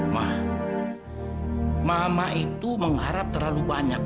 mah mama itu mengharap terlalu banyak